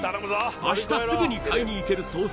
明日すぐに買いに行ける惣菜